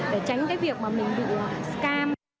để tránh cái việc mà mình bị scam